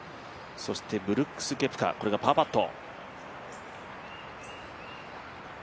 ブルックス・ケプカこれがパーパット。